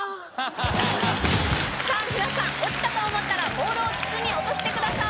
皆さんオチたと思ったらボールを筒に落としてください